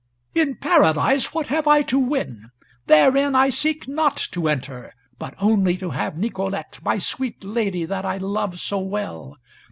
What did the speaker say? "In Paradise what have I to win? Therein I seek not to enter, but only to have Nicolete, my sweet lady that I love so well.